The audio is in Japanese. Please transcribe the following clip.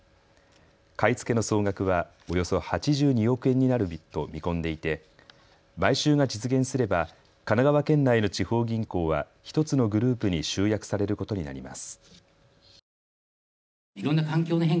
買い付けの総額はおよそ８２億円になると見込んでいて買収が実現すれば神奈川県内の地方銀行は１つのグループに集約されることになります。